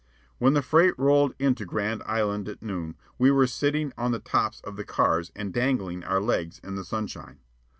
When the freight rolled into Grand Island at noon, we were sitting on the tops of the cars and dangling our legs in the sunshine.